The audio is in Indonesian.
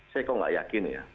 saya kok nggak yakin ya